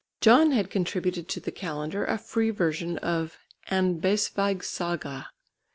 John had contributed to the Calendar a free version of "An Basveig's Saga."